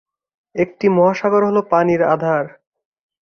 একটি মহাসাগর হল পানির আধার।